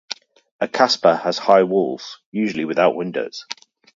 A kasbah has high walls, usually without windows.